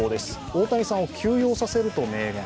大谷さんを休養させると明言。